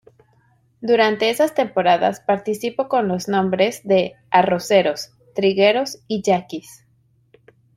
Durante esas temporadas participo con los nombres de "Arroceros", "Trigueros" y "Yaquis".